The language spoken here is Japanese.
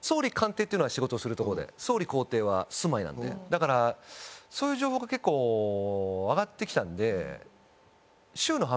だからそういう情報が結構上がってきたんで。